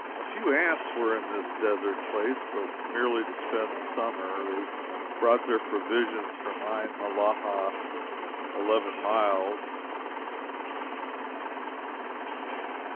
A few ants were in this desert place, but merely to spend the summer. They brought their provisions from Ain Mellahah eleven miles.